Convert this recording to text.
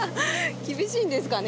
厳しいんですかね？